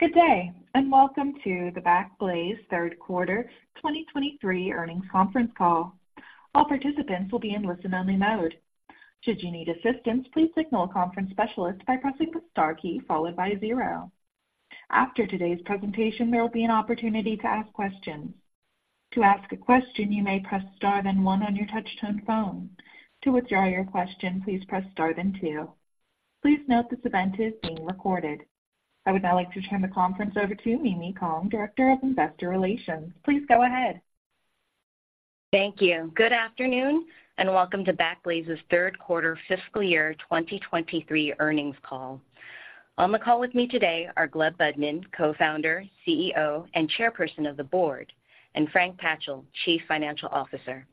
Good day, and welcome to the Backblaze third quarter 2023 earnings conference call. All participants will be in listen-only mode. Should you need assistance, please signal a conference specialist by pressing the star key followed by zero. After today's presentation, there will be an opportunity to ask questions. To ask a question, you may press star then one on your touchtone phone. To withdraw your question, please press star then two. Please note this event is being recorded. I would now like to turn the conference over to Mimi Kong, Director of Investor Relations. Please go ahead. Thank you. Good afternoon, and welcome to Backblaze's third quarter fiscal year 2023 earnings call. On the call with me today are Gleb Budman, Co-founder, CEO, and Chairperson of the Board, and Frank Patchel, Chief Financial Officer.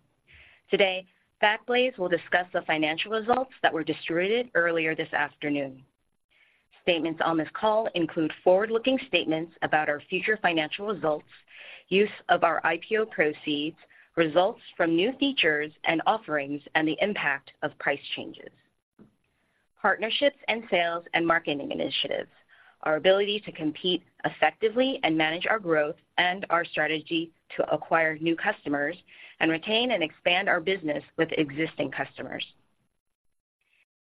Today, Backblaze will discuss the financial results that were distributed earlier this afternoon. Statements on this call include forward-looking statements about our future financial results, use of our IPO proceeds, results from new features and offerings, and the impact of price changes, partnerships and sales and marketing initiatives, our ability to compete effectively and manage our growth, and our strategy to acquire new customers and retain and expand our business with existing customers.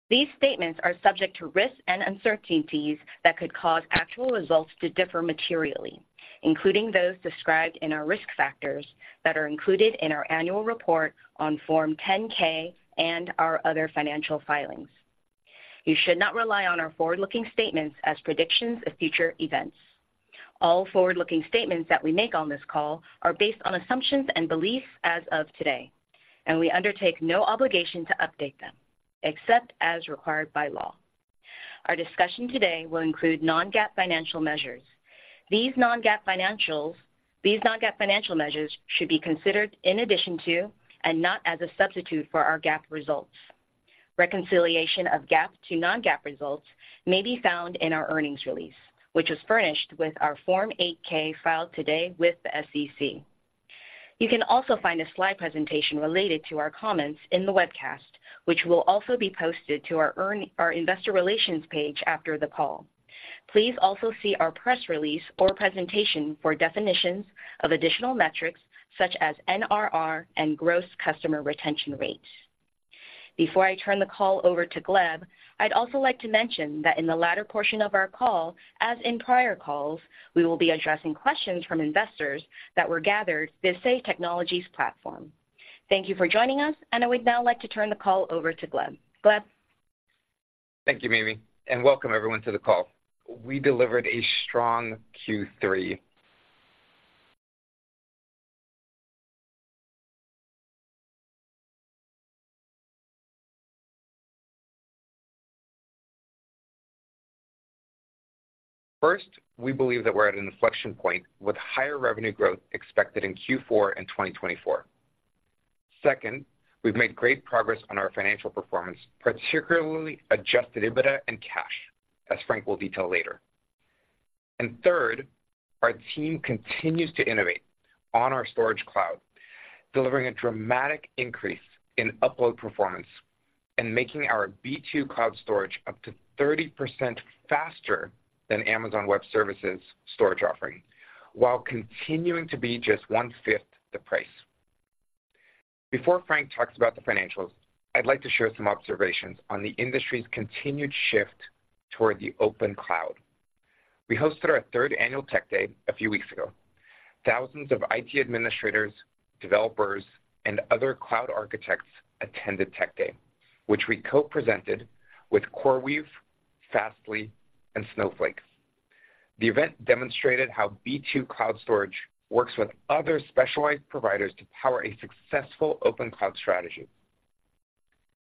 These statements are subject to risks and uncertainties that could cause actual results to differ materially, including those described in our risk factors that are included in our annual report on Form 10-K and our other financial filings. You should not rely on our forward-looking statements as predictions of future events. All forward-looking statements that we make on this call are based on assumptions and beliefs as of today, and we undertake no obligation to update them, except as required by law. Our discussion today will include non-GAAP financial measures. These non-GAAP financial measures should be considered in addition to, and not as a substitute for, our GAAP results. Reconciliation of GAAP to non-GAAP results may be found in our earnings release, which was furnished with our Form 8-K filed today with the SEC. You can also find a slide presentation related to our comments in the webcast, which will also be posted to our investor relations page after the call. Please also see our press release or presentation for definitions of additional metrics such as NRR and gross customer retention rates. Before I turn the call over to Gleb, I'd also like to mention that in the latter portion of our call, as in prior calls, we will be addressing questions from investors that were gathered via Say Technologies platform. Thank you for joining us, and I would now like to turn the call over to Gleb. Gleb? Thank you, Mimi, and welcome everyone to the call. We delivered a strong Q3. First, we believe that we're at an inflection point with higher revenue growth expected in Q4 and 2024. Second, we've made great progress on our financial performance, particularly adjusted EBITDA and cash, as Frank will detail later. And third, our team continues to innovate on our storage cloud, delivering a dramatic increase in upload performance and making our B2 Cloud Storage up to 30% faster than Amazon Web Services storage offering, while continuing to be just 1/5 the price. Before Frank talks about the financials, I'd like to share some observations on the industry's continued shift toward the open cloud. We hosted our third annual Tech Day a few weeks ago. Thousands of IT administrators, developers, and other cloud architects attended Tech Day, which we co-presented with CoreWeave, Fastly, and Snowflake. The event demonstrated how B2 Cloud Storage works with other specialized providers to power a successful open cloud strategy.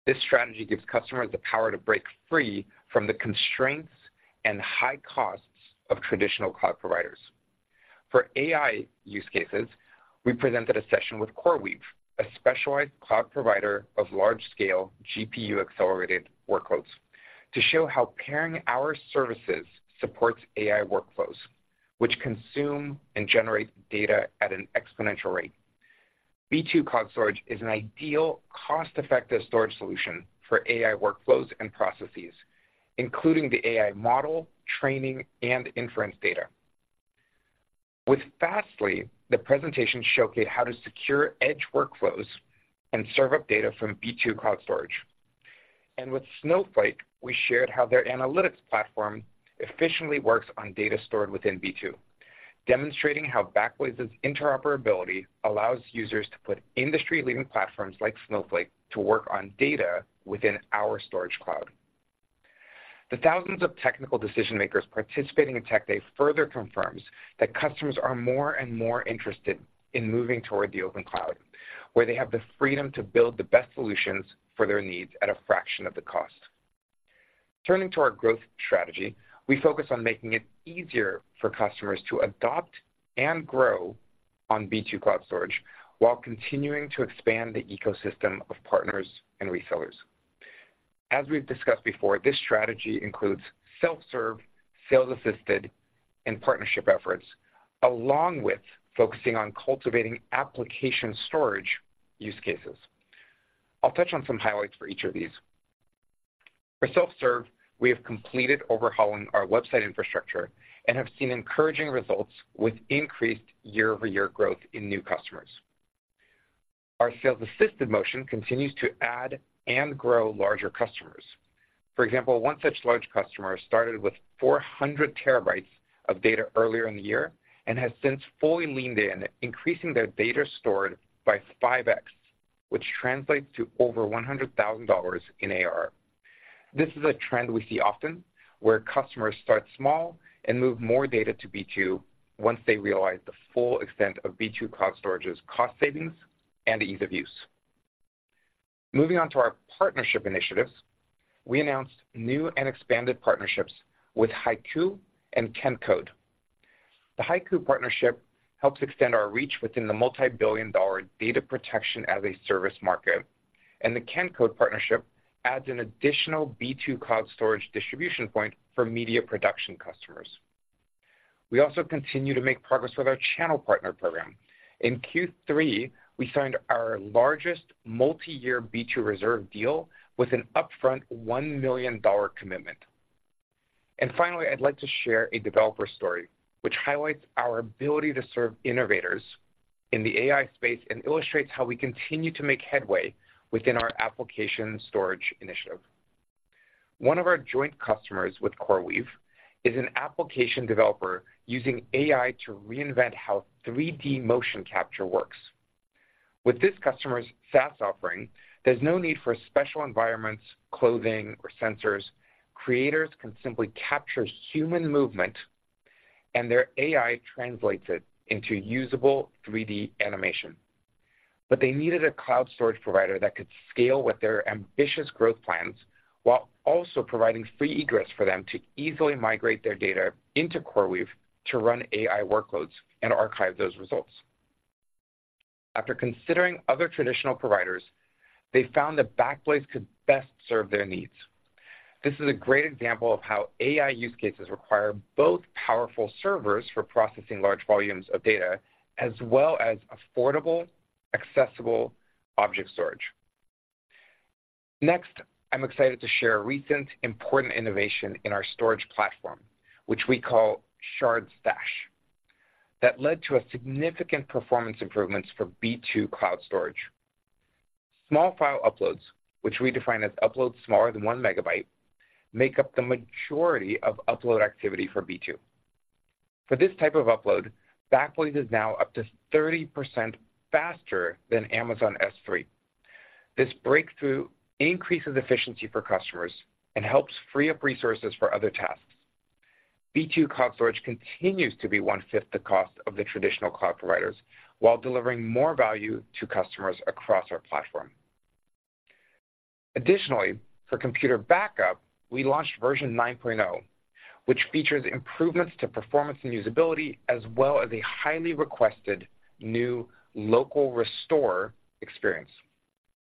This strategy gives customers the power to break free from the constraints and high costs of traditional cloud providers. For AI use cases, we presented a session with CoreWeave, a specialized cloud provider of large-scale GPU-accelerated workloads, to show how pairing our services supports AI workflows, which consume and generate data at an exponential rate. B2 Cloud Storage is an ideal, cost-effective storage solution for AI workflows and processes, including the AI model, training, and inference data. With Fastly, the presentation showcased how to secure edge workflows and serve up data from B2 Cloud Storage. With Snowflake, we shared how their analytics platform efficiently works on data stored within B2, demonstrating how Backblaze's interoperability allows users to put industry-leading platforms like Snowflake to work on data within our storage cloud. The thousands of technical decision-makers participating in Tech Day further confirms that customers are more and more interested in moving toward the open cloud, where they have the freedom to build the best solutions for their needs at a fraction of the cost. Turning to our growth strategy, we focus on making it easier for customers to adopt and grow on B2 Cloud Storage while continuing to expand the ecosystem of partners and resellers. As we've discussed before, this strategy includes self-serve, sales-assisted, and partnership efforts, along with focusing on cultivating application storage use cases.... I'll touch on some highlights for each of these. For self-serve, we have completed overhauling our website infrastructure and have seen encouraging results with increased year-over-year growth in new customers. Our sales-assisted motion continues to add and grow larger customers. For example, one such large customer started with 400 TB of data earlier in the year and has since fully leaned in, increasing their data stored by 5x, which translates to over $100,000 in AR. This is a trend we see often where customers start small and move more data to B2 once they realize the full extent of B2 Cloud Storage's cost savings and ease of use. Moving on to our partnership initiatives, we announced new and expanded partnerships with HYCU and Qencode. The HYCU partnership helps extend our reach within the multi-billion-dollar data protection as a service market, and the Qencode partnership adds an additional B2 Cloud Storage distribution point for media production customers. We also continue to make progress with our channel partner program. In Q3, we signed our largest multi-year B2 Reserve deal with an upfront $1 million commitment. Finally, I'd like to share a developer story which highlights our ability to serve innovators in the AI space and illustrates how we continue to make headway within our application storage initiative. One of our joint customers with CoreWeave is an application developer using AI to reinvent how 3D motion capture works. With this customer's SaaS offering, there's no need for special environments, clothing, or sensors. Creators can simply capture human movement, and their AI translates it into usable 3D animation. But they needed a cloud storage provider that could scale with their ambitious growth plans, while also providing free egress for them to easily migrate their data into CoreWeave, to run AI workloads and archive those results. After considering other traditional providers, they found that Backblaze could best serve their needs. This is a great example of how AI use cases require both powerful servers for processing large volumes of data, as well as affordable, accessible object storage. Next, I'm excited to share a recent important innovation in our storage platform, which we call Shard Stash, that led to a significant performance improvements for B2 Cloud Storage. Small file uploads, which we define as uploads smaller than 1 MB, make up the majority of upload activity for B2. For this type of upload, Backblaze is now up to 30% faster than Amazon S3. This breakthrough increases efficiency for customers and helps free up resources for other tasks. B2 Cloud Storage continues to be 1/5 the cost of the traditional cloud providers, while delivering more value to customers across our platform. Additionally, for Computer Backup, we launched version 9.0, which features improvements to performance and usability, as well as a highly requested new local restore experience.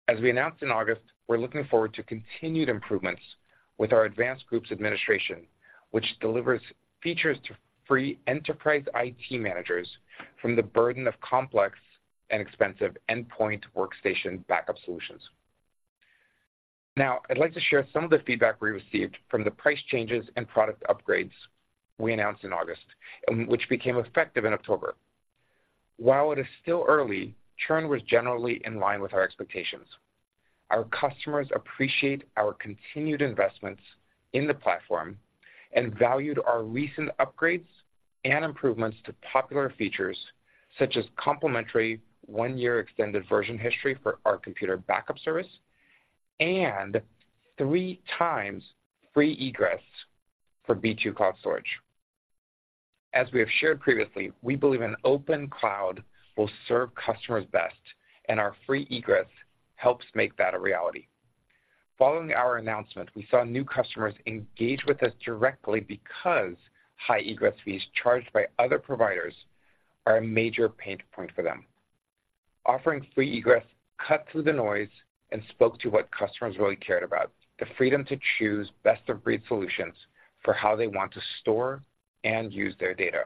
As we announced in August, we're looking forward to continued improvements with our advanced groups administration, which delivers features to free enterprise IT managers from the burden of complex and expensive endpoint workstation backup solutions. Now, I'd like to share some of the feedback we received from the price changes and product upgrades we announced in August, and which became effective in October. While it is still early, churn was generally in line with our expectations. Our customers appreciate our continued investments in the platform and valued our recent upgrades and improvements to popular features, such as complimentary one-year Extended Version History for our Computer Backup service and 3x free egress for B2 Cloud Storage. As we have shared previously, we believe an open cloud will serve customers best, and our free egress helps make that a reality. Following our announcement, we saw new customers engage with us directly because high egress fees charged by other providers are a major pain point for them. Offering free egress cut through the noise and spoke to what customers really cared about, the freedom to choose best-of-breed solutions for how they want to store and use their data.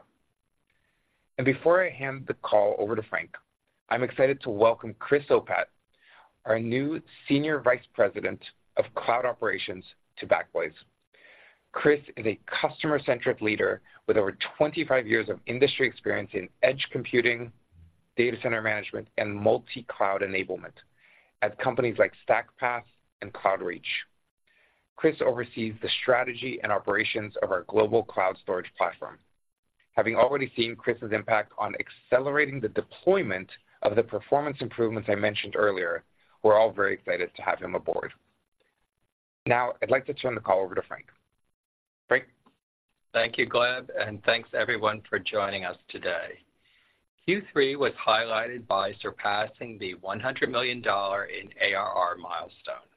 Before I hand the call over to Frank, I'm excited to welcome Chris Opat, our new Senior Vice President of Cloud Operations, to Backblaze. Chris is a customer-centric leader with over 25 years of industry experience in edge computing, data center management, and multi-cloud enablement at companies like StackPath and Cloudreach. Chris oversees the strategy and operations of our global cloud storage platform. Having already seen Chris's impact on accelerating the deployment of the performance improvements I mentioned earlier, we're all very excited to have him aboard. Now, I'd like to turn the call over to Frank. Frank? Thank you, Gleb, and thanks, everyone, for joining us today. Q3 was highlighted by surpassing the $100 million ARR milestone.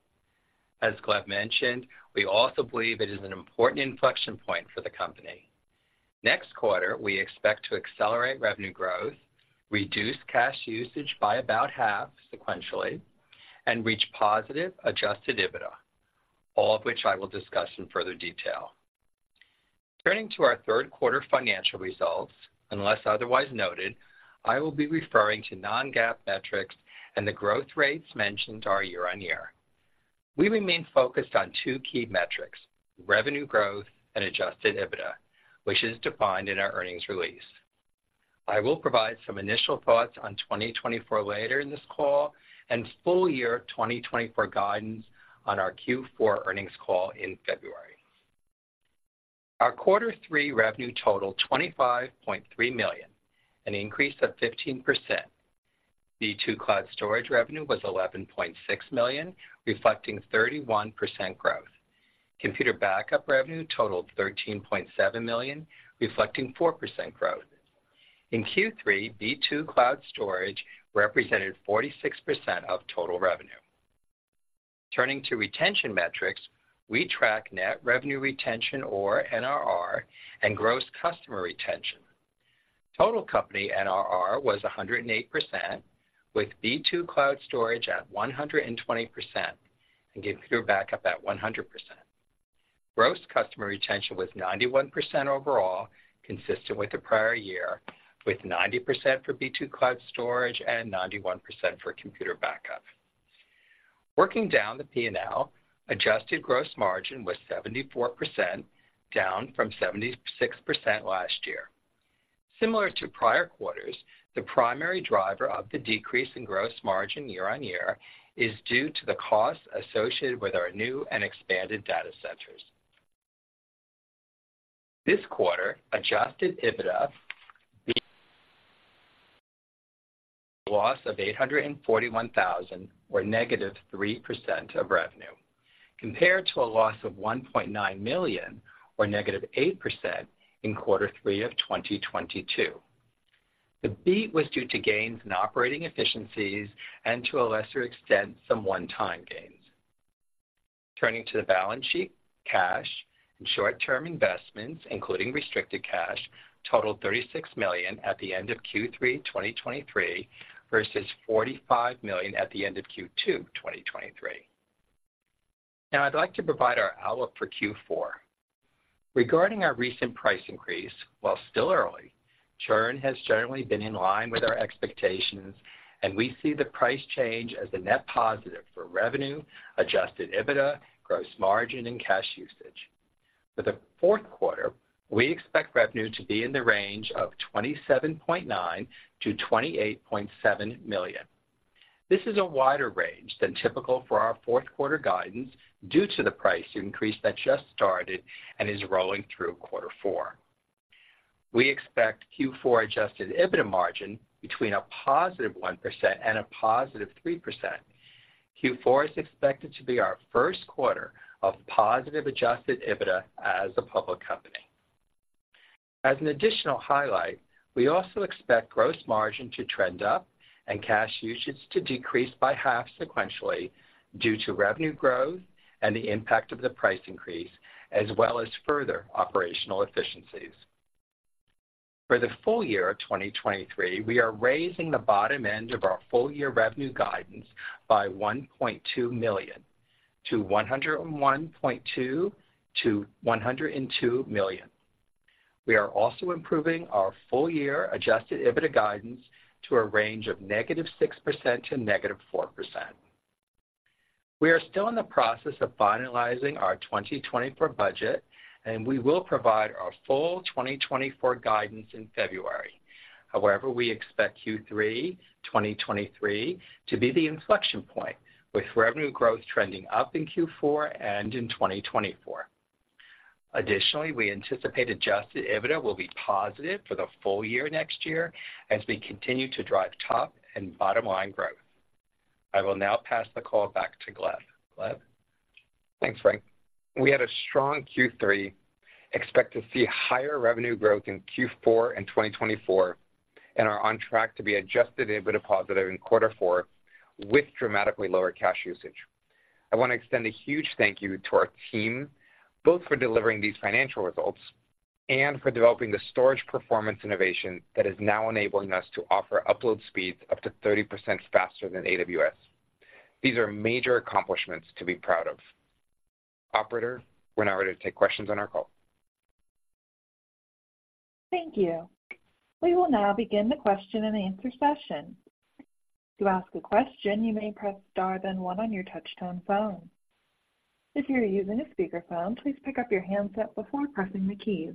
As Gleb mentioned, we also believe it is an important inflection point for the company. Next quarter, we expect to accelerate revenue growth, reduce cash usage by about half sequentially, and reach positive adjusted EBITDA, all of which I will discuss in further detail. Turning to our third quarter financial results, unless otherwise noted, I will be referring to non-GAAP metrics, and the growth rates mentioned are year-on-year. We remain focused on two key metrics, revenue growth and adjusted EBITDA, which is defined in our earnings release. I will provide some initial thoughts on 2024 later in this call, and full-year 2024 guidance on our Q4 earnings call in February. Our quarter three revenue totaled $25.3 million, an increase of 15%. B2 Cloud Storage revenue was $11.6 million, reflecting 31% growth. Computer Backup revenue totaled $13.7 million, reflecting 4% growth. In Q3, B2 Cloud Storage represented 46% of total revenue. Turning to retention metrics, we track net revenue retention, or NRR, and gross customer retention. Total company NRR was 108%, with B2 Cloud Storage at 120% and Computer Backup at 100%. Gross customer retention was 91% overall, consistent with the prior year, with 90% for B2 Cloud Storage and 91% for Computer Backup. Working down the P&L, adjusted gross margin was 74%, down from 76% last year. Similar to prior quarters, the primary driver of the decrease in gross margin year-on-year is due to the costs associated with our new and expanded data centers. This quarter, adjusted EBITDA, loss of $841,000, or -3% of revenue, compared to a loss of $1.9 million, or -8%, in quarter three of 2022. The beat was due to gains in operating efficiencies and, to a lesser extent, some one-time gains. Turning to the balance sheet, cash and short-term investments, including restricted cash, totaled $36 million at the end of Q3 2023 versus $45 million at the end of Q2 2023. Now, I'd like to provide our outlook for Q4. Regarding our recent price increase, while still early, churn has generally been in line with our expectations, and we see the price change as a net positive for revenue, adjusted EBITDA, gross margin, and cash usage. For the fourth quarter, we expect revenue to be in the range of $27.9 million-$28.7 million. This is a wider range than typical for our fourth quarter guidance, due to the price increase that just started and is rolling through quarter four. We expect Q4 adjusted EBITDA margin between a +1% and a +3%. Q4 is expected to be our first quarter of positive adjusted EBITDA as a public company. As an additional highlight, we also expect gross margin to trend up and cash usage to decrease by half sequentially due to revenue growth and the impact of the price increase, as well as further operational efficiencies. For the full year of 2023, we are raising the bottom end of our full-year revenue guidance by $1.2 million, to $101.2 million-$102 million. We are also improving our full-year adjusted EBITDA guidance to a range of -6% to -4%. We are still in the process of finalizing our 2024 budget, and we will provide our full 2024 guidance in February. However, we expect Q3 2023 to be the inflection point, with revenue growth trending up in Q4 and in 2024. Additionally, we anticipate adjusted EBITDA will be positive for the full year next year as we continue to drive top and bottom-line growth. I will now pass the call back to Gleb. Gleb? Thanks, Frank. We had a strong Q3, expect to see higher revenue growth in Q4 and 2024, and are on track to be adjusted EBITDA positive in quarter four with dramatically lower cash usage. I want to extend a huge thank you to our team, both for delivering these financial results and for developing the storage performance innovation that is now enabling us to offer upload speeds up to 30% faster than AWS. These are major accomplishments to be proud of. Operator, we're now ready to take questions on our call. Thank you. We will now begin the question-and-answer session. To ask a question, you may press star, then one on your touchtone phone. If you are using a speakerphone, please pick up your handset before pressing the key.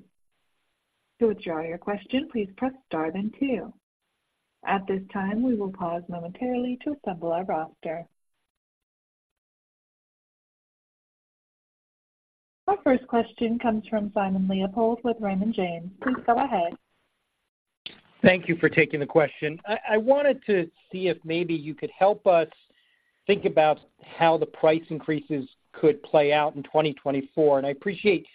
To withdraw your question, please press star, then two. At this time, we will pause momentarily to assemble our roster. Our first question comes from Simon Leopold with Raymond James. Please go ahead. Thank you for taking the question. I wanted to see if maybe you could help us think about how the price increases could play out in 2024. I appreciate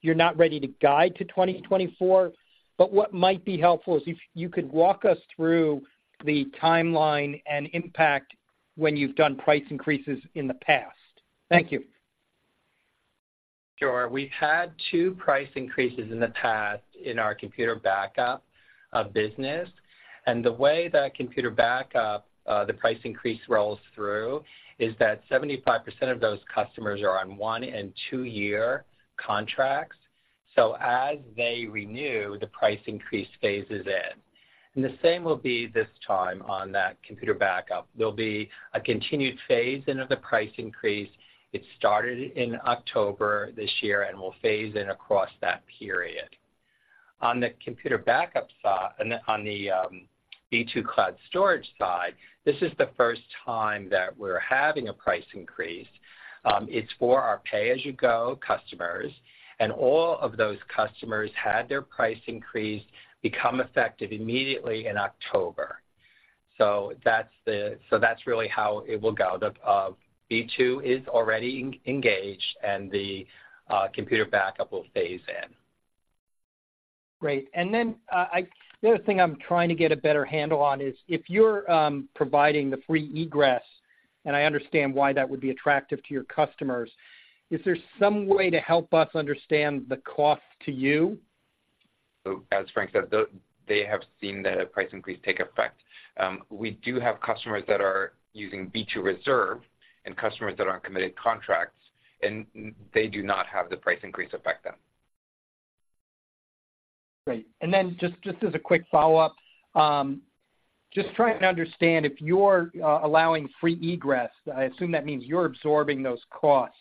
you're not ready to guide to 2024, but what might be helpful is if you could walk us through the timeline and impact when you've done price increases in the past. Thank you. Sure. We've had two price increases in the past in our Computer Backup business. The way that Computer Backup the price increase rolls through is that 75% of those customers are on one- and two-year contracts. So as they renew, the price increase phases in. The same will be this time on that Computer Backup. There'll be a continued phase-in of the price increase. It started in October this year and will phase in across that period. On the Computer Backup side, on the B2 Cloud Storage side, this is the first time that we're having a price increase. It's for our pay-as-you-go customers, and all of those customers had their price increase become effective immediately in October. So that's so that's really how it will go. The B2 is already engaged, and the Computer Backup will phase in. Great. And then, the other thing I'm trying to get a better handle on is, if you're providing the free egress, and I understand why that would be attractive to your customers, is there some way to help us understand the cost to you? So as Frank said, they have seen the price increase take effect. We do have customers that are using B2 Reserve and customers that are on committed contracts, and they do not have the price increase affect them. Great. And then just as a quick follow-up, just trying to understand if you're allowing free egress, I assume that means you're absorbing those costs.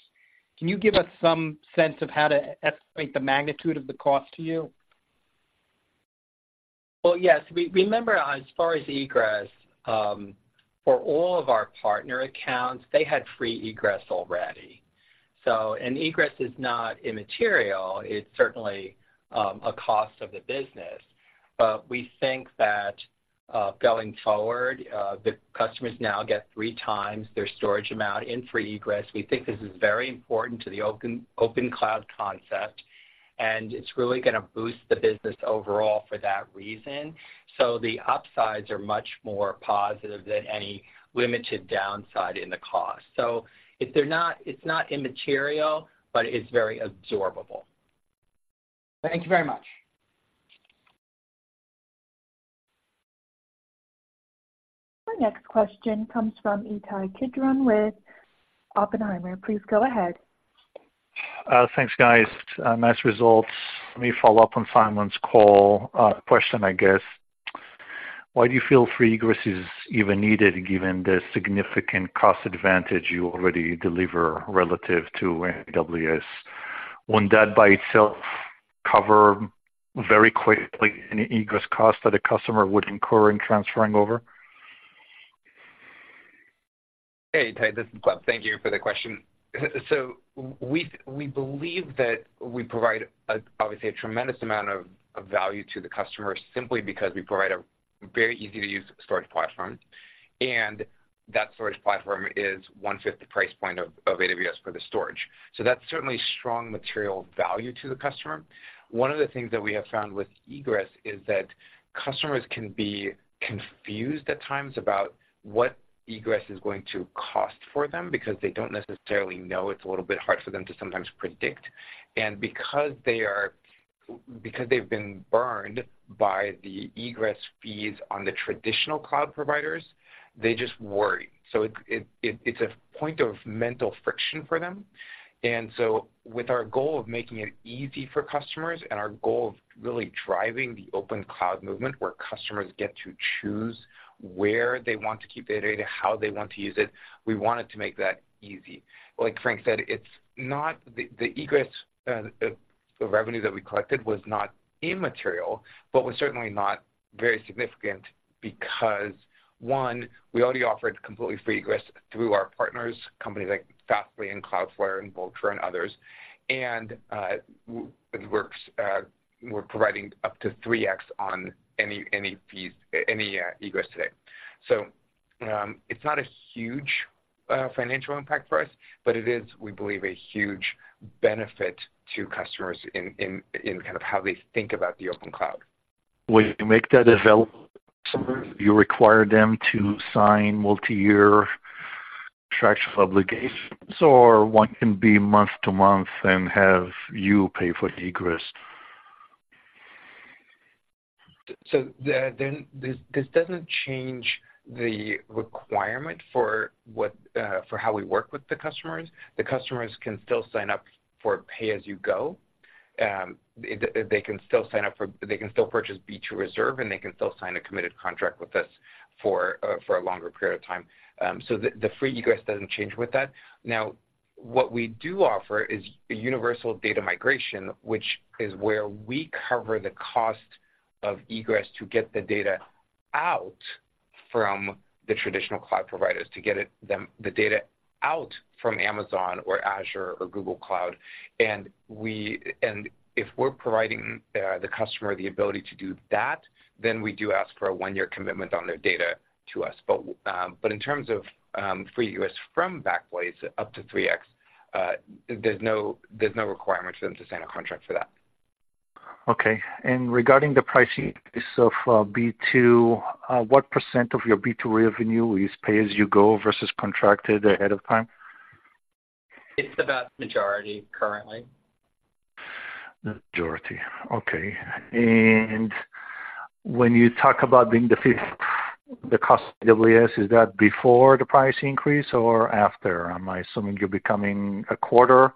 Can you give us some sense of how to estimate the magnitude of the cost to you? Well, yes. Remember, as far as egress, for all of our partner accounts, they had free egress already. So, egress is not immaterial, it's certainly a cost of the business. But we think that going forward, the customers now get three times their storage amount in free egress. We think this is very important to the open cloud concept, and it's really gonna boost the business overall for that reason. So the upsides are much more positive than any limited downside in the cost. So it's not immaterial, but it's very absorbable. Thank you very much. Our next question comes from Ittai Kidron with Oppenheimer. Please go ahead. Thanks, guys, nice results. Let me follow up on Simon's call, question, I guess. Why do you feel free egress is even needed, given the significant cost advantage you already deliver relative to AWS? Wouldn't that, by itself, cover very quickly any egress cost that a customer would incur in transferring over? Hey, Ittai, this is Gleb. Thank you for the question. So we believe that we provide, obviously, a tremendous amount of value to the customer simply because we provide a very easy-to-use storage platform, and that storage platform is 1/5 the price point of AWS for the storage. So that's certainly strong material value to the customer. One of the things that we have found with egress is that customers can be confused at times about what egress is going to cost for them because they don't necessarily know. It's a little bit hard for them to sometimes predict. And because they've been burned by the egress fees on the traditional cloud providers, they just worry. So it's a point of mental friction for them. And so with our goal of making it easy for customers and our goal of really driving the open cloud movement, where customers get to choose where they want to keep their data, how they want to use it, we wanted to make that easy. Like Frank said, it's not the egress, the revenue that we collected was not immaterial, but was certainly not very significant because, one, we already offered completely free egress through our partners, companies like Fastly and Cloudflare and Vultr and others, and, it works, we're providing up to 3x on any fees, any egress today. So, it's not a huge financial impact for us, but it is, we believe, a huge benefit to customers in, in, in kind of how they think about the open cloud. When you make that available, do you require them to sign multiyear contractual obligations, or one can be month to month and have you pay for the egress? So this doesn't change the requirement for how we work with the customers. The customers can still sign up for pay-as-you-go. They can still sign up for-- They can still purchase B2 Reserve, and they can still sign a committed contract with us for a longer period of time. So the free egress doesn't change with that. Now, what we do offer is a Universal Data Migration, which is where we cover the cost of egress to get the data out from the traditional cloud providers, to get the data out from Amazon or Azure or Google Cloud. And if we're providing the customer the ability to do that, then we do ask for a one-year commitment on their data to us. But in terms of free egress from Backblaze up to 3x, there's no requirement for them to sign a contract for that. Okay. Regarding the pricing of B2, what percent of your B2 revenue is pay-as-you-go versus contracted ahead of time? It's about majority currently. Majority, okay. And when you talk about being 1/5 the cost of AWS, is that before the price increase or after? Am I assuming you're becoming 1/4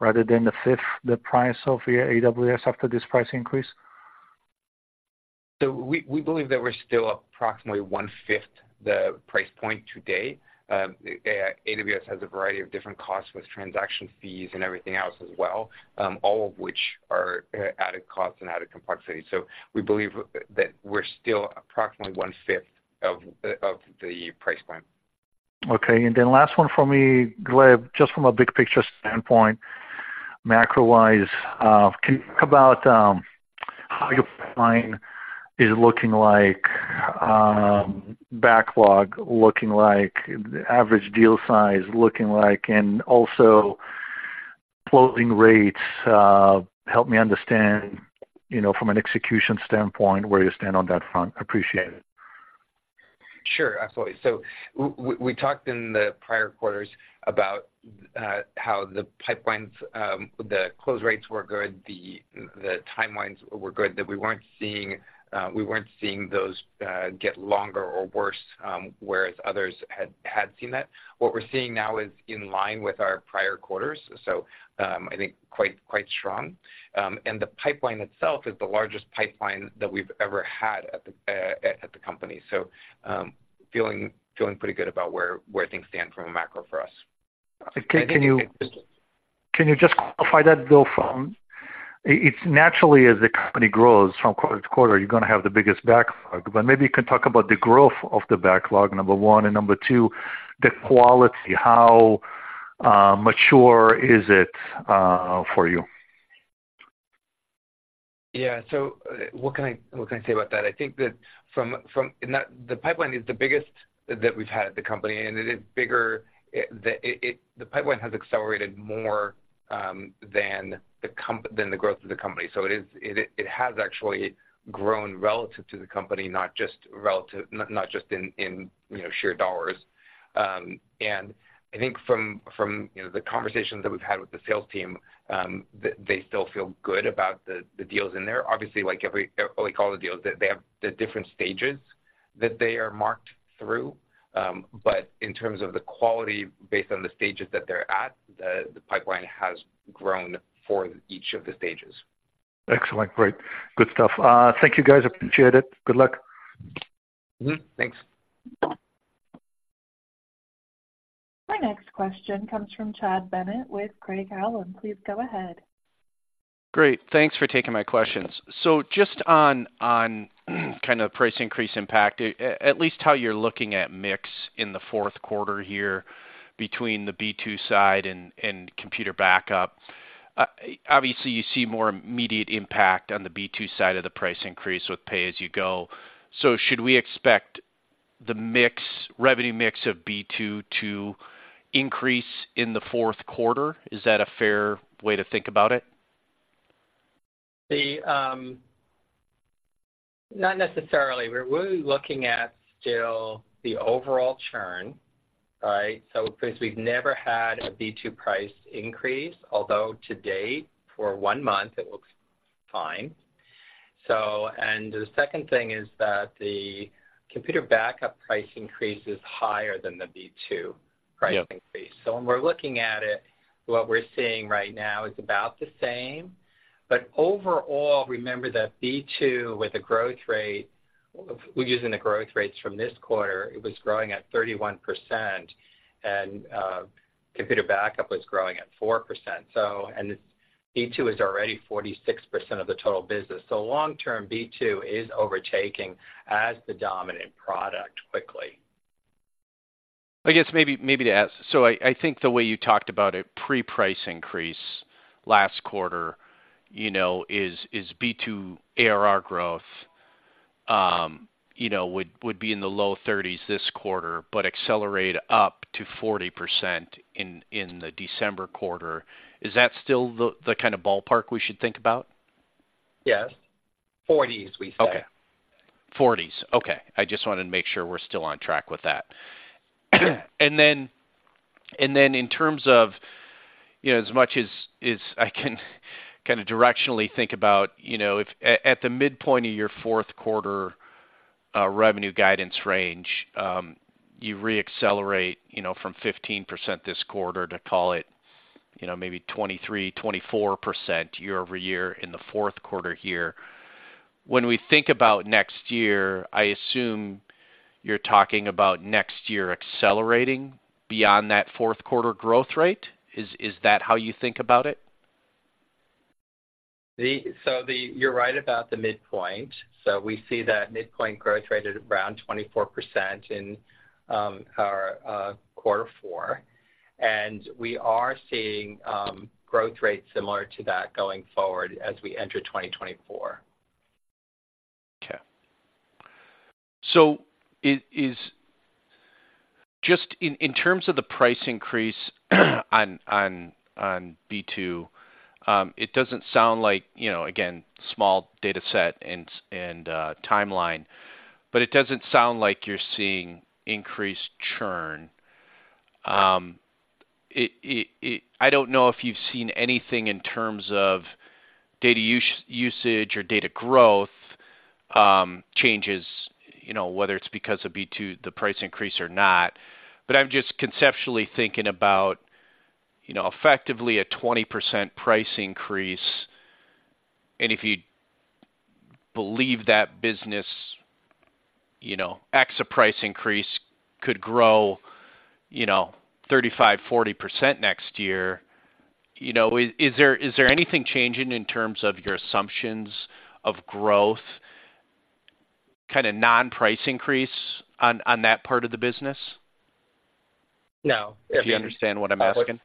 rather than 1/5 the price of AWS after this price increase? So we, we believe that we're still approximately 1/5 the price point today. AWS has a variety of different costs with transaction fees and everything else as well, all of which are added cost and added complexity. So we believe that we're still approximately 1/5 of the price point. Okay, and then last one for me, Gleb, just from a big picture standpoint, macro-wise, can you talk about how your pipeline is looking like, backlog looking like, the average deal size looking like, and also closing rates? Help me understand, you know, from an execution standpoint, where you stand on that front. Appreciate it. Sure, absolutely. So we talked in the prior quarters about how the pipelines, the close rates were good, the timelines were good, that we weren't seeing those get longer or worse, whereas others had seen that. What we're seeing now is in line with our prior quarters, so I think quite strong. And the pipeline itself is the largest pipeline that we've ever had at the company. So feeling pretty good about where things stand from a macro for us. Can you—can you just qualify that, though, from... It's naturally, as the company grows from quarter to quarter, you're gonna have the biggest backlog, but maybe you can talk about the growth of the backlog, number one, and number two, the quality. How mature is it for you? Yeah. So, what can I, what can I say about that? I think that the pipeline is the biggest that we've had at the company, and it is bigger. The pipeline has accelerated more than the growth of the company. So it is, it has actually grown relative to the company, not just relative, not just in, you know, sheer dollars. And I think from, you know, the conversations that we've had with the sales team, they still feel good about the deals in there. Obviously, like all the deals, they have the different stages that they are marked through. But in terms of the quality based on the stages that they're at, the pipeline has grown for each of the stages. Excellent. Great. Good stuff. Thank you, guys. I appreciate it. Good luck. Mm-hmm. Thanks. Our next question comes from Chad Bennett with Craig-Hallum. Please go ahead. Great, thanks for taking my questions. So just on, on kind of price increase impact, at least how you're looking at mix in the fourth quarter here between the B2 side and, and Computer Backup. Obviously, you see more immediate impact on the B2 side of the price increase with pay-as-you-go. So should we expect the mix, revenue mix of B2 to increase in the fourth quarter? Is that a fair way to think about it? Not necessarily. We're really looking at still the overall churn, right? So since we've never had a B2 price increase, although to date, for one month, it looks fine. So, and the second thing is that the Computer Backup price increase is higher than the B2- Yep. - price increase. So when we're looking at it, what we're seeing right now is about the same. But overall, remember that B2, with the growth rate, we're using the growth rates from this quarter, it was growing at 31%, and Computer Backup was growing at 4%. So, and B2 is already 46% of the total business. So long term, B2 is overtaking as the dominant product quickly. I guess maybe to ask, so I think the way you talked about a pre-price increase last quarter, you know, is B2 ARR growth, you know, would be in the low 30s this quarter, but accelerate up to 40% in the December quarter. Is that still the kind of ballpark we should think about? Yes. Forties, we say. Okay. Forties, okay. I just wanted to make sure we're still on track with that. And then in terms of, you know, as much as as I can kind of directionally think about, you know, if at the midpoint of your fourth quarter revenue guidance range, you reaccelerate, you know, from 15% this quarter to call it, you know, maybe 23%-24% year-over-year in the fourth quarter here. When we think about next year, I assume you're talking about next year accelerating beyond that fourth quarter growth rate. Is that how you think about it? So you're right about the midpoint. So we see that midpoint growth rate at around 24% in our quarter four, and we are seeing growth rates similar to that going forward as we enter 2024. Okay. So is just in terms of the price increase on B2, it doesn't sound like, you know, again, small data set and timeline, but it doesn't sound like you're seeing increased churn. I don't know if you've seen anything in terms of data usage or data growth, changes, you know, whether it's because of B2, the price increase or not. But I'm just conceptually thinking about, you know, effectively a 20% price increase. And if you believe that business, you know, ex a price increase could grow, you know, 35%-40% next year, you know, is there anything changing in terms of your assumptions of growth, kind of non-price increase on that part of the business? No. Do you understand what I'm asking?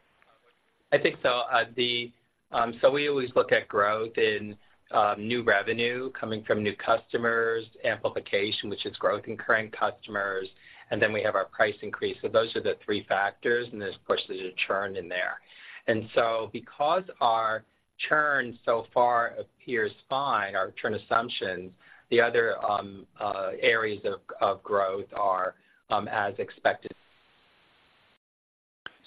I think so. So we always look at growth in new revenue coming from new customers, amplification, which is growth in current customers, and then we have our price increase. So those are the three factors, and there's, of course, a churn in there. And so because our churn so far appears fine, our churn assumptions, the other areas of growth are as expected.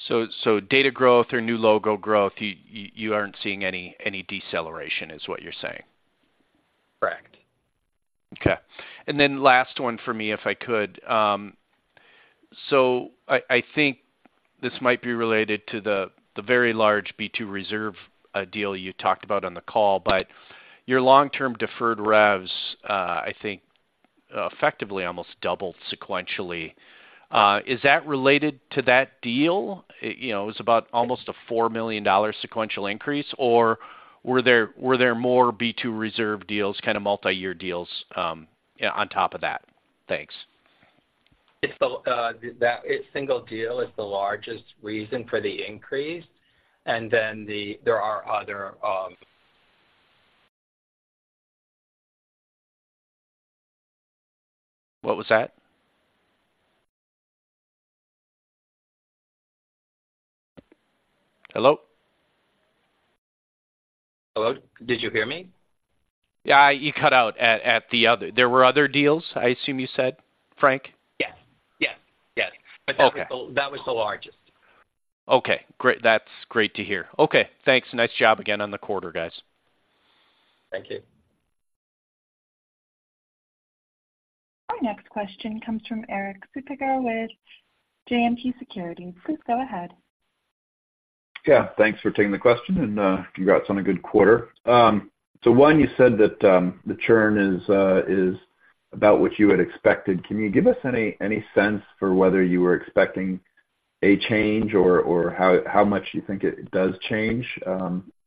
So, data growth or new logo growth, you aren't seeing any deceleration is what you're saying? Correct. Okay. And then last one for me, if I could. So I, I think this might be related to the, the very large B2 Reserve deal you talked about on the call, but your long-term deferred revs, I think effectively almost doubled sequentially. Is that related to that deal? You know, it was about almost a $4 million sequential increase, or were there, were there more B2 Reserve deals, kind of multiyear deals, on top of that? Thanks. It's the single deal is the largest reason for the increase, and then there are other. What was that? Hello? Hello, did you hear me? Yeah, you cut out at the other... There were other deals, I assume you said, Frank? Yes. Yes, yes. Okay. But that was the largest. Okay, great. That's great to hear. Okay, thanks. Nice job again on the quarter, guys. Thank you. Our next question comes from Erik Suppiger with JMP Securities. Please go ahead. Yeah, thanks for taking the question, and, congrats on a good quarter. So one, you said that the churn is, is about what you had expected. Can you give us any, any sense for whether you were expecting a change or, or how, how much you think it does change,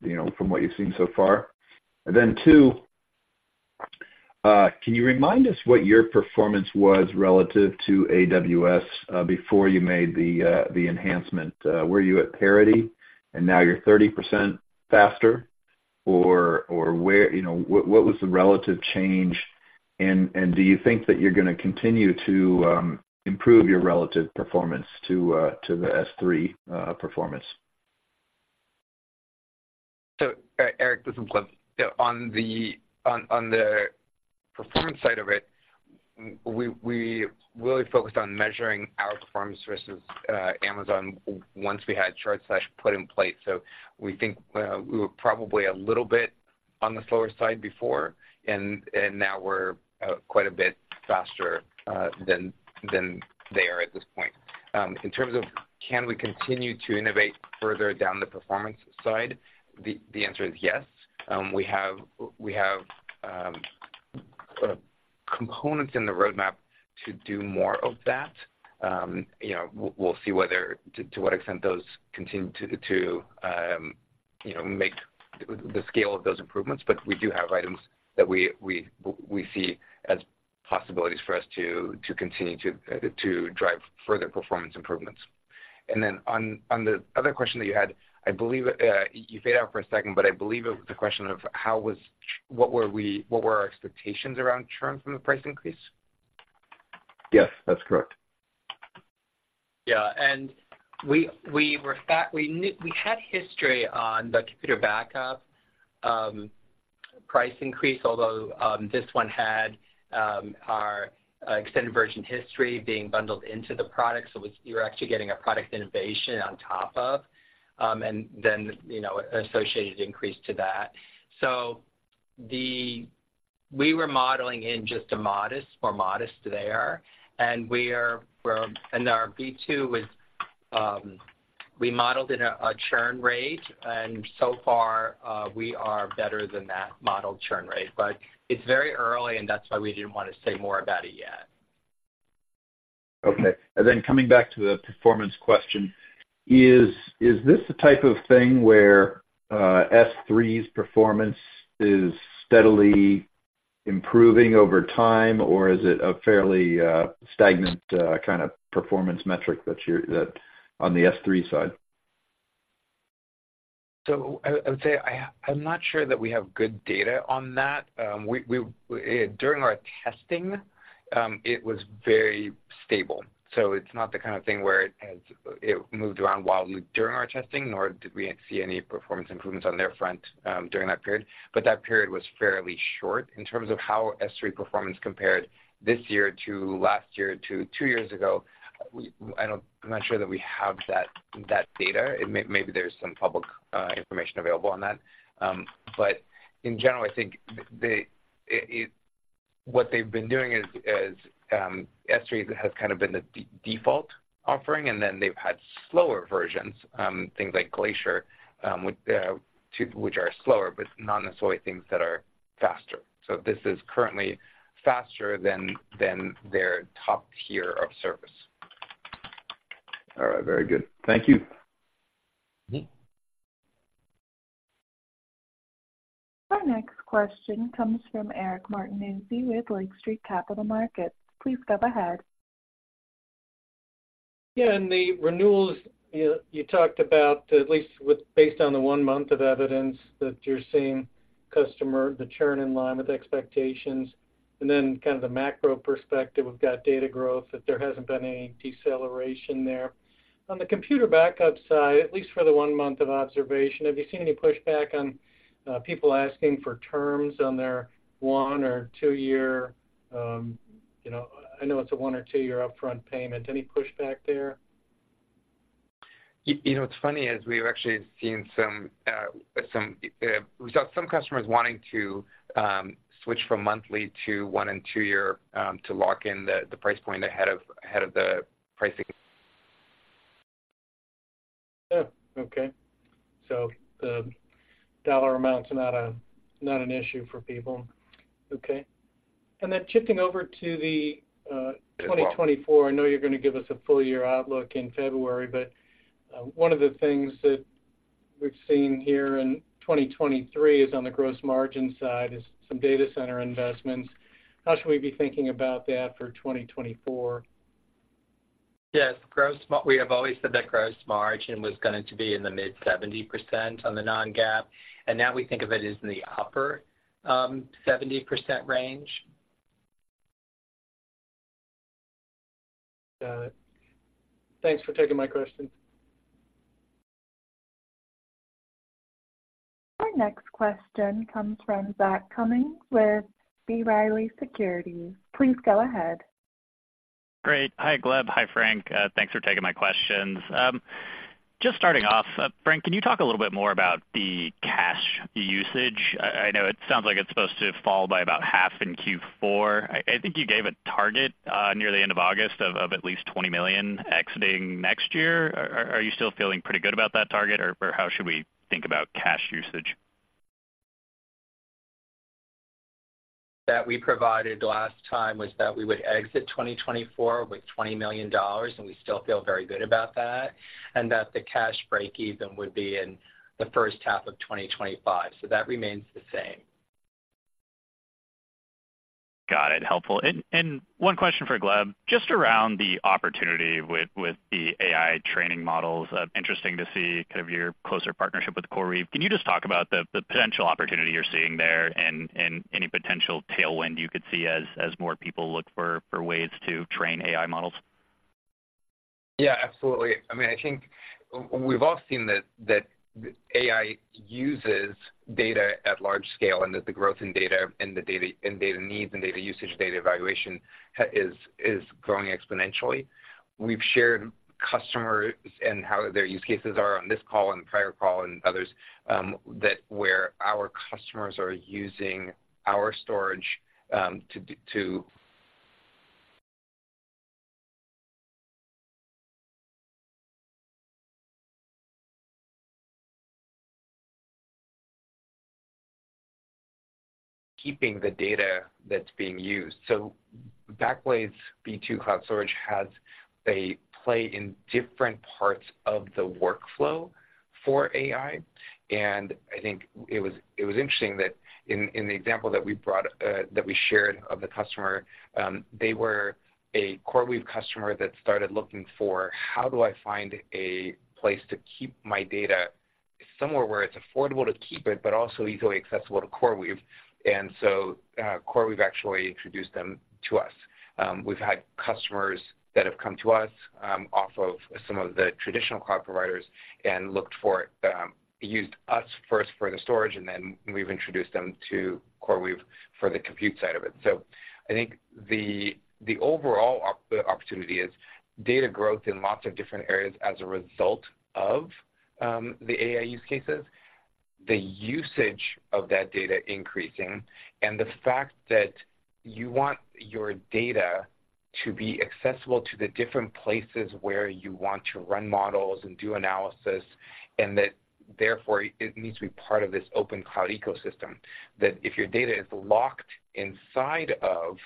you know, from what you've seen so far? And then two, can you remind us what your performance was relative to AWS, before you made the, the enhancement? Were you at parity and now you're 30% faster? Or, you know, what was the relative change, and, and do you think that you're gonna continue to improve your relative performance to, to the S3, performance? So, Erik, this is Gleb. On the performance side of it, we really focused on measuring our performance versus Amazon once we had Shard Stash put in place. So we think we were probably a little bit on the slower side before, and now we're quite a bit faster than they are at this point. In terms of can we continue to innovate further down the performance side, the answer is yes. We have sort of components in the roadmap to do more of that. You know, we'll see whether to what extent those continue to you know make the scale of those improvements. But we do have items that we see as possibilities for us to continue to drive further performance improvements. And then on, on the other question that you had, I believe, you faded out for a second, but I believe it was the question of what were our expectations around churn from the price increase? Yes, that's correct. Yeah, and we, we were we had history on the Computer Backup, price increase, although, this one had, our, extended version history being bundled into the product. So you were actually getting a product innovation on top of, and then, you know, associated increase to that. So we were modeling in just a modest, more modest there, and we are and our B2 was, we modeled in a, a churn rate, and so far, we are better than that modeled churn rate. But it's very early, and that's why we didn't want to say more about it yet. Okay. And then coming back to the performance question, is this the type of thing where S3's performance is steadily improving over time, or is it a fairly stagnant kind of performance metric that you're on the S3 side? So I would say I'm not sure that we have good data on that. During our testing, it was very stable, so it's not the kind of thing where it moved around wildly during our testing, nor did we see any performance improvements on their front during that period, but that period was fairly short. In terms of how S3 performance compared this year to last year to two years ago, I don't, I'm not sure that we have that data. Maybe there's some public information available on that. But in general, I think it... What they've been doing is S3 has kind of been the default offering, and then they've had slower versions, things like Glacier, which are slower, but not necessarily things that are faster. So this is currently faster than their top tier of service. All right, very good. Thank you. Mm-hmm. Our next question comes from Eric Martinuzzi with Lake Street Capital Markets. Please go ahead. Yeah, in the renewals, you, you talked about, at least with based on the one month of evidence, that you're seeing customer, the churn in line with expectations, and then kind of the macro perspective, we've got data growth, that there hasn't been any deceleration there. On the Computer Backup side, at least for the one month of observation, have you seen any pushback on, people asking for terms on their one- or two-year, you know, I know it's a one- or two-year upfront payment. Any pushback there? You know, what's funny is we've actually seen some customers wanting to switch from monthly to 1- and 2-year to lock in the price point ahead of the pricing. Oh, okay. So the dollar amount's not an issue for people. Okay. And then shifting over to the 2024, I know you're gonna give us a full year outlook in February, but one of the things that we've seen here in 2023 is on the gross margin side, is some data center investments. How should we be thinking about that for 2024? Yes, gross margin, we have always said that gross margin was going to be in the mid-70% on the non-GAAP, and now we think of it as in the upper 70% range. Got it. Thanks for taking my questions. Our next question comes from Zach Cummins with B. Riley Securities. Please go ahead. Great. Hi, Gleb. Hi, Frank. Thanks for taking my questions. Just starting off, Frank, can you talk a little bit more about the cash usage? I know it sounds like it's supposed to fall by about half in Q4. I think you gave a target near the end of August of at least $20 million exiting next year. Are you still feeling pretty good about that target, or how should we think about cash usage? That we provided last time was that we would exit 2024 with $20 million, and we still feel very good about that, and that the cash break-even would be in the first half of 2025. So that remains the same. Got it. Helpful. One question for Gleb. Just around the opportunity with the AI training models, interesting to see kind of your closer partnership with CoreWeave. Can you just talk about the potential opportunity you're seeing there and any potential tailwind you could see as more people look for ways to train AI models? Yeah, absolutely. I mean, I think we've all seen that, that AI uses data at large scale, and that the growth in data and the data, and data needs and data usage, data evaluation has, is growing exponentially. We've shared customers and how their use cases are on this call and prior call and others, that where our customers are using our storage, to keeping the data that's being used. So Backblaze B2 Cloud Storage has a play in different parts of the workflow for AI, and I think it was interesting that in the example that we brought, that we shared of the customer, they were a CoreWeave customer that started looking for, "How do I find a place to keep my data somewhere where it's affordable to keep it, but also easily accessible to CoreWeave?" And so, CoreWeave actually introduced them to us. We've had customers that have come to us off of some of the traditional cloud providers and looked for, used us first for the storage, and then we've introduced them to CoreWeave for the compute side of it. So I think the overall opportunity is data growth in lots of different areas as a result of the AI use cases, the usage of that data increasing, and the fact that you want your data to be accessible to the different places where you want to run models and do analysis, and that therefore it needs to be part of this open cloud ecosystem. That if your data is locked inside of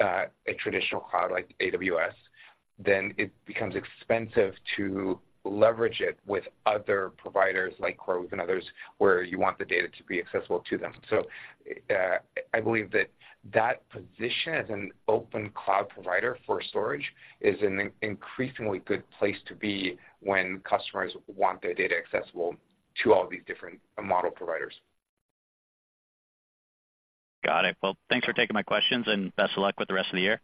a traditional cloud like AWS, then it becomes expensive to leverage it with other providers like CoreWeave and others, where you want the data to be accessible to them. So I believe that that position as an open cloud provider for storage is an increasingly good place to be when customers want their data accessible to all these different model providers. Got it. Well, thanks for taking my questions, and best of luck with the rest of the year.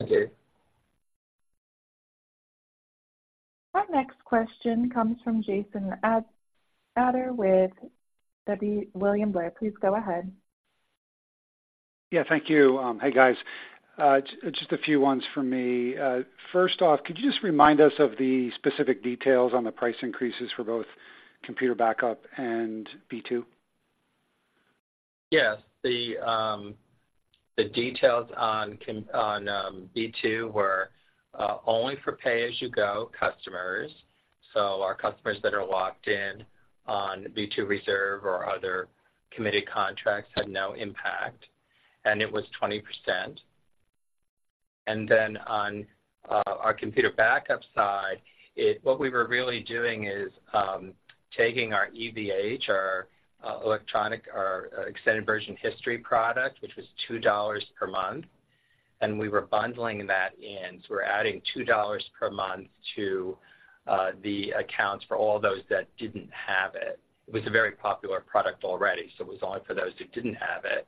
Thank you. Our next question comes from Jason Ader with William Blair. Please go ahead. Yeah, thank you. Hey, guys. Just a few ones for me. First off, could you just remind us of the specific details on the price increases for both Computer Backup and B2? Yes, the details on B2 were only for pay-as-you-go customers. So our customers that are locked in on B2 Reserve or other committed contracts had no impact, and it was 20%. And then on our Computer Backup side, what we were really doing is taking our EVH, our Extended Version History product, which was $2 per month, and we were bundling that in. So we're adding $2 per month to the accounts for all those that didn't have it. It was a very popular product already, so it was only for those who didn't have it.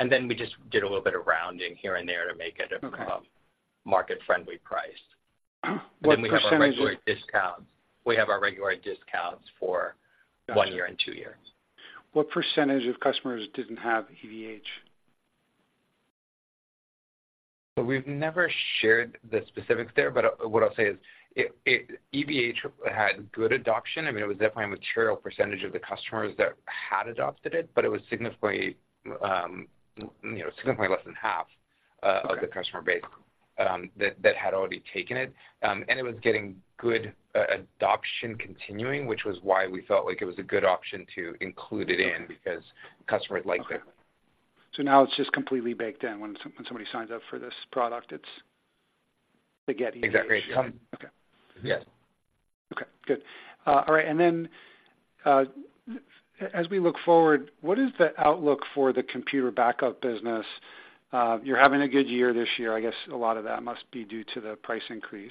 And then we just did a little bit of rounding here and there to make it a- Okay... market-friendly price. What percentage- Then we have our regular discounts. We have our regular discounts for- Got you... one year and two years. What percentage of customers didn't have EVH? So we've never shared the specifics there, but what I'll say is it EVH had good adoption. I mean, it was definitely a material percentage of the customers that had adopted it, but it was significantly, you know, significantly less than half. Okay... of the customer base, that had already taken it. And it was getting good adoption continuing, which was why we felt like it was a good option to include it in- Okay... because customers liked it. Okay. So now it's just completely baked in. When somebody signs up for this product, it's, they get EVH. Exactly. Um- Okay. Yes. Okay, good. All right, and then, as we look forward, what is the outlook for the Computer Backup business? You're having a good year this year. I guess a lot of that must be due to the price increase.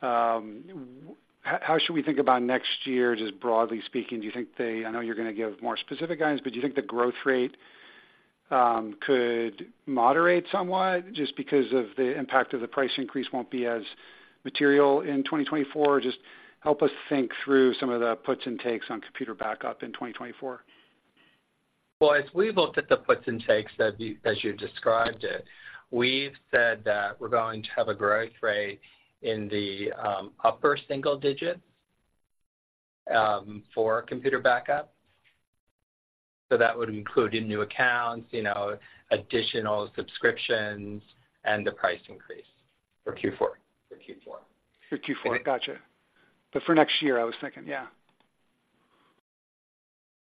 How should we think about next year, just broadly speaking? Do you think the growth rate could moderate somewhat, just because of the impact of the price increase won't be as material in 2024? Just help us think through some of the puts and takes on Computer Backup in 2024. Well, as we looked at the puts and takes, as you described it, we've said that we're going to have a growth rate in the upper single digits for Computer Backup. So that would include new accounts, you know, additional subscriptions and the price increase for Q4. For Q4. For Q4. And it- Gotcha. But for next year, I was thinking, yeah.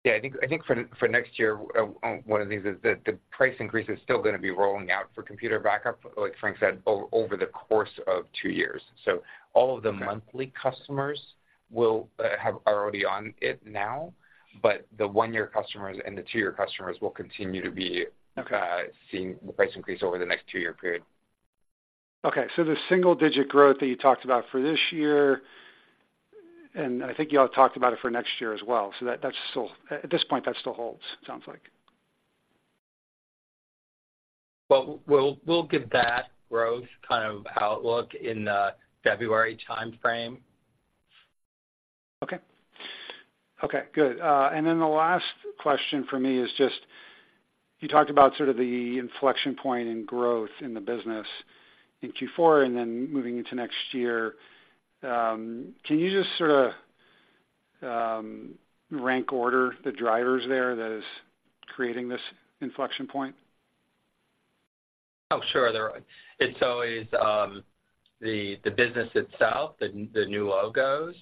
Yeah, I think for next year, one of the things is that the price increase is still gonna be rolling out for Computer Backup, like Frank said, over the course of two years. Okay. So all of the monthly customers are already on it now, but the one-year customers and the two-year customers will continue to be- Okay... seeing the price increase over the next two-year period. Okay, so the single-digit growth that you talked about for this year, and I think you all talked about it for next year as well, so that, that's still... At this point, that still holds, it sounds like? Well, we'll, we'll give that growth kind of outlook in the February timeframe. Okay. Okay, good. And then the last question for me is just, you talked about sort of the inflection point in growth in the business in Q4 and then moving into next year. Can you just sort of rank order the drivers there that is creating this inflection point? Oh, sure. It's always the business itself, the new logos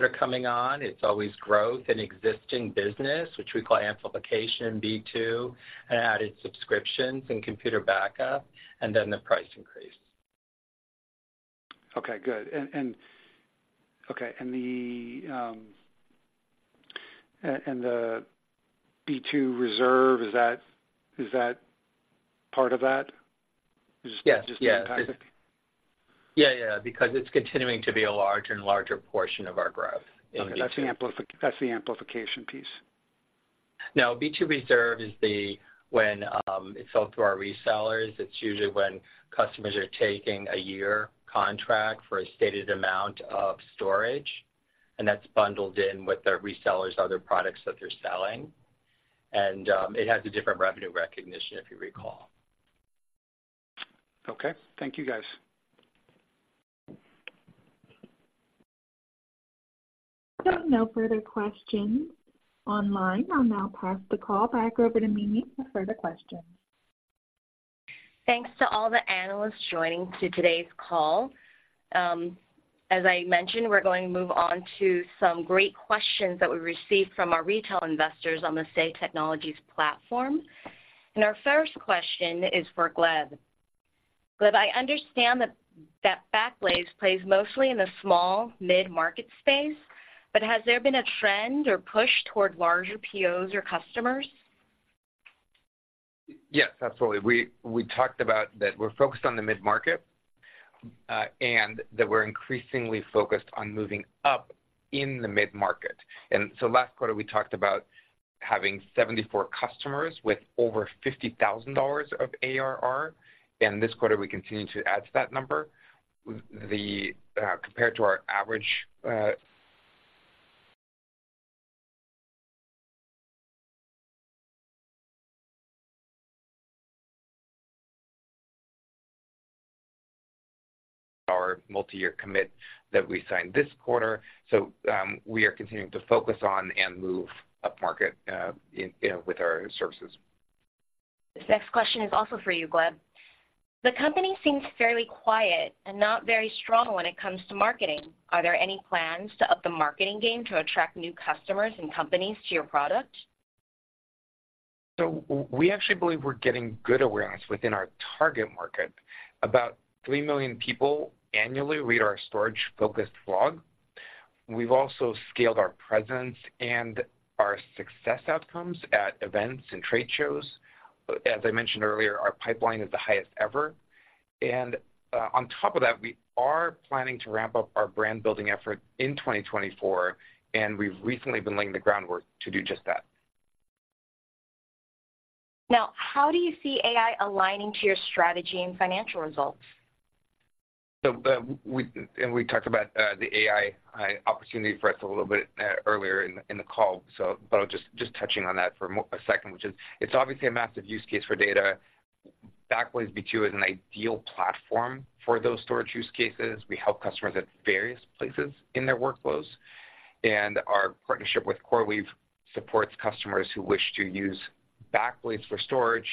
that are coming on. It's always growth in existing business, which we call amplification, B2, and added subscriptions and Computer Backup, and then the price increase. Okay, good. And okay, and the B2 Reserve, is that part of that? Yes. Just the impact? Yeah, yeah. Because it's continuing to be a larger and larger portion of our growth in B2. Okay, that's the amplification piece. No, B2 Reserve is the when it's sold to our resellers, it's usually when customers are taking a year contract for a stated amount of storage, and that's bundled in with the resellers' other products that they're selling. It has a different revenue recognition, if you recall. Okay. Thank you, guys. There are no further questions online. I'll now pass the call back over to Mimi for further questions. Thanks to all the analysts joining today's call. As I mentioned, we're going to move on to some great questions that we received from our retail investors on the Say Technologies platform. Our first question is for Gleb. Gleb, I understand that, that Backblaze plays mostly in the small, mid-market space, but has there been a trend or push toward larger POs or customers? Yes, absolutely. We talked about that we're focused on the mid-market, and that we're increasingly focused on moving up in the mid-market. And so last quarter, we talked about having 74 customers with over $50,000 of ARR, and this quarter we continue to add to that number. The compared to our average our multiyear commit that we signed this quarter. So we are continuing to focus on and move upmarket, in you know, with our services. This next question is also for you, Gleb. The company seems fairly quiet and not very strong when it comes to marketing. Are there any plans to up the marketing game to attract new customers and companies to your product? So we actually believe we're getting good awareness within our target market. About 3 million people annually read our storage-focused blog. We've also scaled our presence and our success outcomes at events and trade shows. As I mentioned earlier, our pipeline is the highest ever, and on top of that, we are planning to ramp up our brand-building effort in 2024, and we've recently been laying the groundwork to do just that. Now, how do you see AI aligning to your strategy and financial results? So, we and we talked about the AI opportunity for us a little bit earlier in the call, so, but I'll just touching on that for a second, which is, it's obviously a massive use case for data. Backblaze B2 is an ideal platform for those storage use cases. We help customers at various places in their workflows, and our partnership with CoreWeave supports customers who wish to use Backblaze for storage,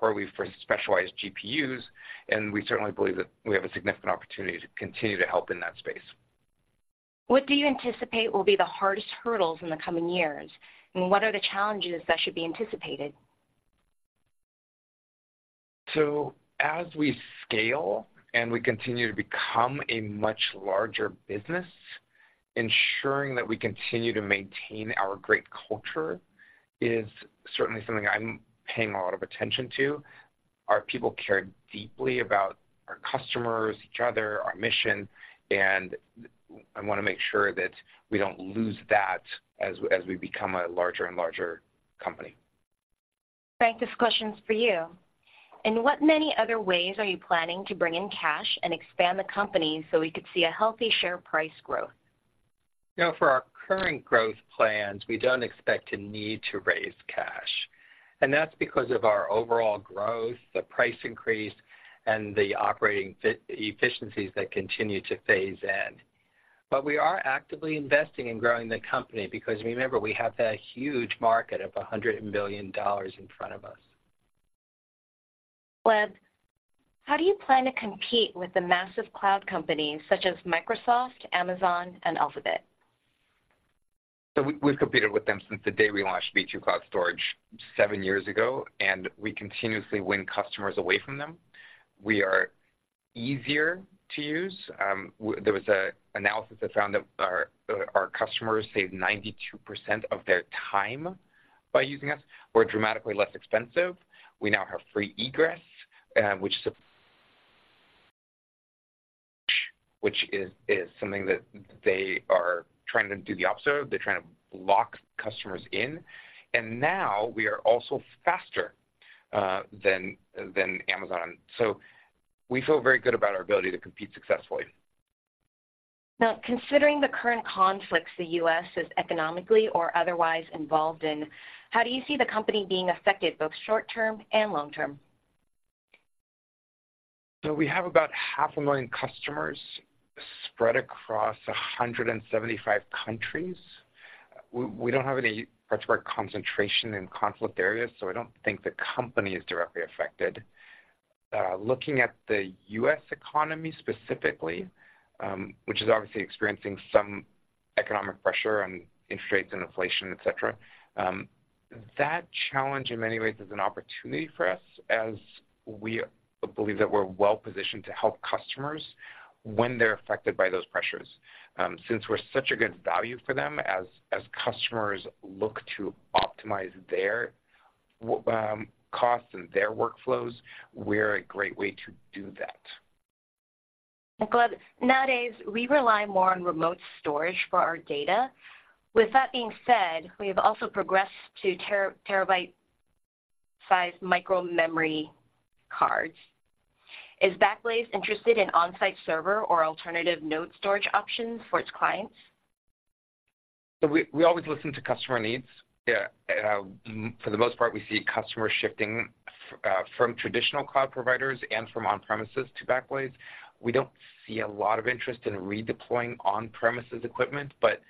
CoreWeave for specialized GPUs, and we certainly believe that we have a significant opportunity to continue to help in that space. What do you anticipate will be the hardest hurdles in the coming years? And what are the challenges that should be anticipated? So as we scale, and we continue to become a much larger business, ensuring that we continue to maintain our great culture is certainly something I'm paying a lot of attention to. Our people care deeply about our customers, each other, our mission, and I want to make sure that we don't lose that as we become a larger and larger company. Frank, this question is for you. In what many other ways are you planning to bring in cash and expand the company so we could see a healthy share price growth? You know, for our current growth plans, we don't expect to need to raise cash, and that's because of our overall growth, the price increase, and the operating efficiencies that continue to phase in. But we are actively investing in growing the company because remember, we have that huge market of $100 million in front of us. Gleb, how do you plan to compete with the massive cloud companies such as Microsoft, Amazon, and Alphabet? So we, we've competed with them since the day we launched B2 Cloud Storage seven years ago, and we continuously win customers away from them. We are easier to use. There was an analysis that found that our customers save 92% of their time by using us. We're dramatically less expensive. We now have free egress, which is something that they are trying to do the opposite of. They're trying to lock customers in, and now we are also faster than Amazon. So we feel very good about our ability to compete successfully. Now, considering the current conflicts the U.S. is economically or otherwise involved in, how do you see the company being affected, both short term and long term? So we have about 500,000 customers spread across 175 countries. We don't have any particular concentration in conflict areas, so I don't think the company is directly affected. Looking at the U.S. economy specifically, which is obviously experiencing some economic pressure on interest rates and inflation, et cetera, that challenge, in many ways, is an opportunity for us as we believe that we're well-positioned to help customers when they're affected by those pressures. Since we're such a good value for them, as customers look to optimize their costs and their workflows, we're a great way to do that. Gleb, nowadays, we rely more on remote storage for our data. With that being said, we have also progressed to terabyte-sized micro memory cards. Is Backblaze interested in on-site server or alternative node storage options for its clients? So we always listen to customer needs. Yeah, for the most part, we see customers shifting from traditional cloud providers and from on-premises to Backblaze. We don't see a lot of interest in redeploying on-premises equipment, but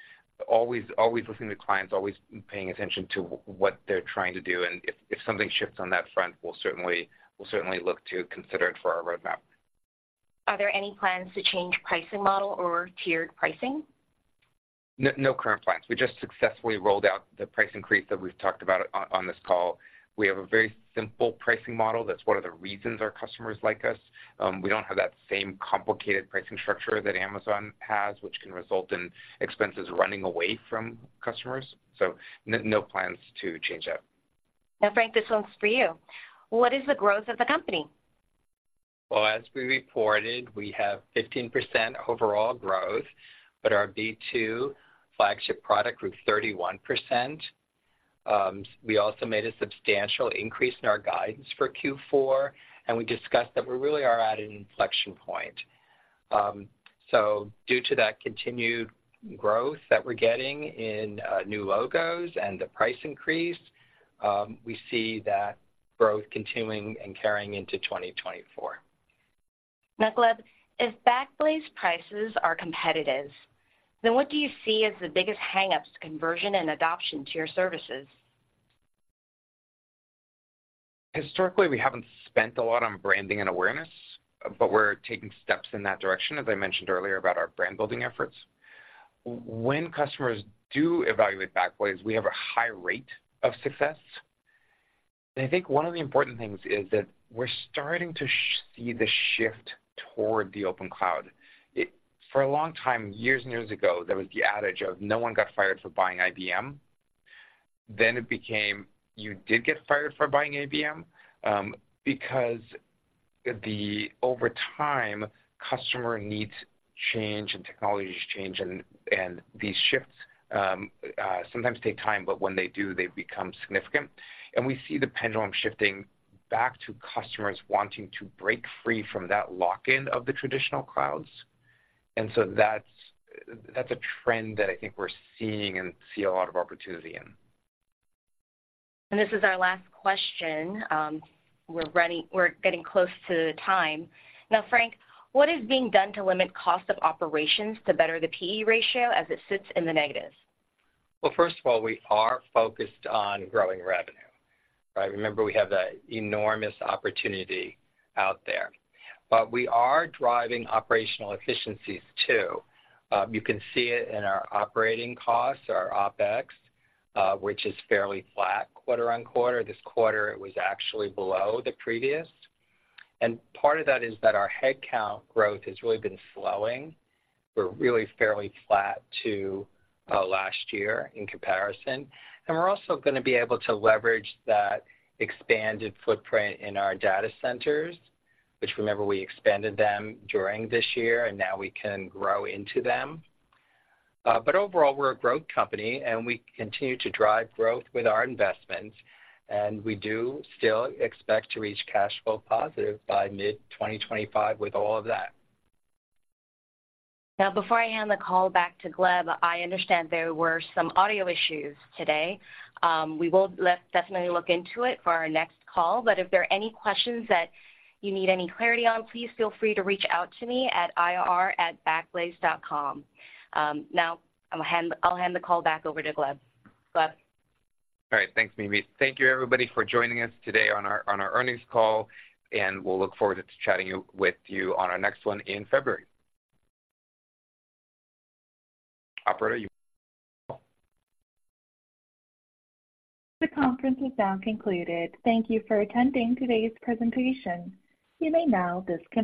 always, always looking to clients, always paying attention to what they're trying to do, and if something shifts on that front, we'll certainly look to consider it for our roadmap. Are there any plans to change pricing model or tiered pricing? No current plans. We just successfully rolled out the price increase that we've talked about on this call. We have a very simple pricing model. That's one of the reasons our customers like us. We don't have that same complicated pricing structure that Amazon has, which can result in expenses running away from customers, so no plans to change that. Now, Frank, this one's for you: What is the growth of the company? Well, as we reported, we have 15% overall growth, but our B2 flagship product grew 31%. We also made a substantial increase in our guidance for Q4, and we discussed that we really are at an inflection point. So due to that continued growth that we're getting in new logos and the price increase, we see that growth continuing and carrying into 2024. Now, Gleb, if Backblaze prices are competitive, then what do you see as the biggest hang-ups to conversion and adoption to your services? Historically, we haven't spent a lot on branding and awareness, but we're taking steps in that direction, as I mentioned earlier, about our brand-building efforts. When customers do evaluate Backblaze, we have a high rate of success. And I think one of the important things is that we're starting to see the shift toward the open cloud. For a long time, years and years ago, there was the adage of, "No one got fired for buying IBM." Then it became, "You did get fired for buying IBM," because over time, customer needs change and technologies change, and these shifts sometimes take time, but when they do, they become significant. And we see the pendulum shifting back to customers wanting to break free from that lock-in of the traditional clouds. That's, that's a trend that I think we're seeing and see a lot of opportunity in. This is our last question. We're running—we're getting close to time. Now, Frank, what is being done to limit cost of operations to better the PE ratio as it sits in the negatives? Well, first of all, we are focused on growing revenue, right? Remember, we have that enormous opportunity out there. But we are driving operational efficiencies, too. You can see it in our operating costs, our OpEx, which is fairly flat quarter on quarter. This quarter, it was actually below the previous. And part of that is that our headcount growth has really been slowing. We're really fairly flat to last year in comparison. And we're also gonna be able to leverage that expanded footprint in our data centers, which, remember, we expanded them during this year, and now we can grow into them. But overall, we're a growth company, and we continue to drive growth with our investments, and we do still expect to reach cash flow positive by mid-2025 with all of that. Now, before I hand the call back to Gleb, I understand there were some audio issues today. We will definitely look into it for our next call, but if there are any questions that you need any clarity on, please feel free to reach out to me at ir@backblaze.com. Now I'm gonna hand the call back over to Gleb. Gleb? All right. Thanks, Mimi. Thank you, everybody, for joining us today on our, on our earnings call, and we'll look forward to chatting you, with you on our next one in February. Operator, you may end the call. The conference is now concluded. Thank you for attending today's presentation. You may now disconnect.